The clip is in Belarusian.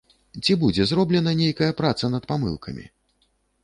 Ці будзе зроблена нейкая праца над памылкамі?